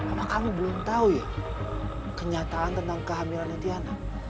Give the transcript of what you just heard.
apa kamu belum tahu ya kenyataan tentang kehamilan tiana